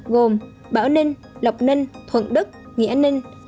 gồm bảo ninh lộc ninh thuận đức nghĩa ninh